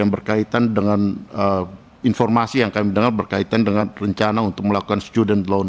yang berkaitan dengan informasi yang kami dengar berkaitan dengan rencana untuk melakukan student loan